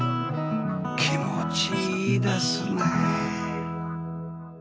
気持ちいいですね